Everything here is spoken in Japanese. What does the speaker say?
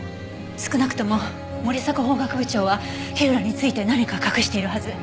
少なくとも森迫法学部長は火浦について何か隠しているはず。